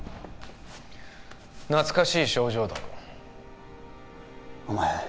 懐かしい症状だろお前